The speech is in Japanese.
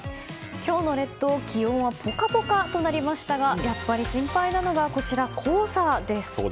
今日の列島、気温はポカポカとなりましたがやっぱり心配なのが黄砂です。